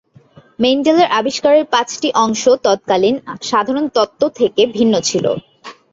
মেন্ডেলের আবিষ্কারের পাঁচটি অংশ তৎকালীন সাধারণ তত্ত্ব থেকে ভিন্ন ছিলো।